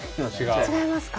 違いますか？